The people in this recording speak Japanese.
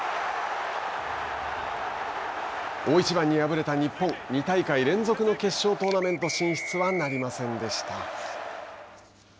大一番に敗れた日本２大会連続の決勝トーナメント進出はなりませんでした。